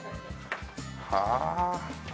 はあ。